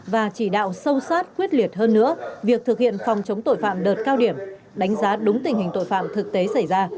và chỉ đạo sâu sát quyết liệt hơn nữa việc thực hiện phòng chống tội phạm đợt cao điểm đánh giá đúng tình hình tội phạm thực tế xảy ra